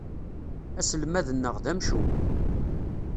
Aselmad-nneɣ d amcum.